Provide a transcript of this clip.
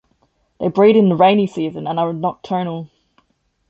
They breed in the rainy season and are nocturnal.